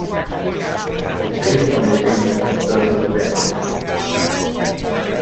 It's based on the agreement of dozens of families.